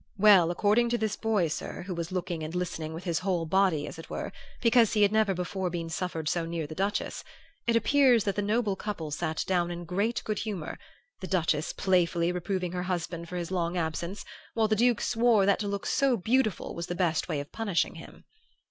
"Well, according to this boy, sir, who was looking and listening with his whole body, as it were, because he had never before been suffered so near the Duchess, it appears that the noble couple sat down in great good humor, the Duchess playfully reproving her husband for his long absence, while the Duke swore that to look so beautiful was the best way of punishing him.